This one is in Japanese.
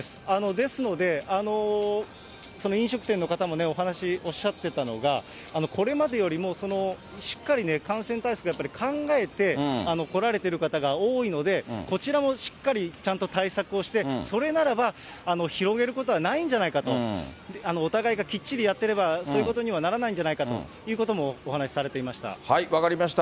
ですので、飲食店の方もね、お話、おっしゃってたのが、これまでよりもしっかり感染対策をやっぱり考えて来られてる方が多いので、こちらもしっかり、ちゃんと対策をして、それならば広げることはないんじゃないかと、お互いがきっちりやってれば、そういうことにはならないんじゃないかということもお話しされて分かりました。